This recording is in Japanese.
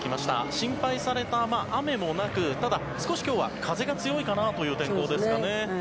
心配された雨もなくただ、少し今日は風が強いかなという天候ですかね。